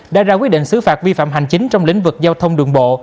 đã ra quyết định xứ phạt vi phạm hành chính trong lĩnh vực giao thông đường bộ